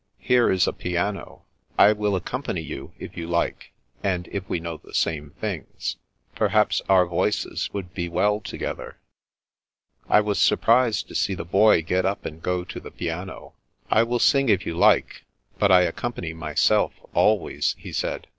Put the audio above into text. Here is a piano. I will accompany you, if you like, and if we know the same things. Perhaps our voices would be well together." I was surprised to see the Boy get up and go to the piano. " I will sing if you like ; but I accom pany myself, always," he said.